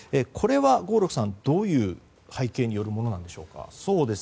これは合六さん、どういう背景によるものなんでしょうか。